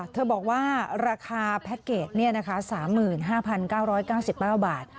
เธอบอกว่าราคาแพ็คเกจ๓๕๙๙๙บาท